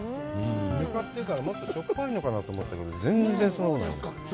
ぬかというから、もっとしょっぱいのかなと思ったけど、全然そんなことない。